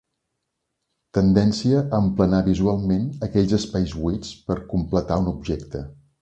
Tendència a emplenar visualment aquells espais buits per completar un objecte.